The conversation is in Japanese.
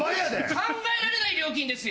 考えられない料金ですよ。